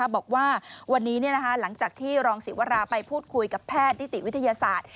บอกว่าวันนี้หลังจากที่รองศิวราไปพูดคุยกับแพทย์นิติวิทยาศาสตร์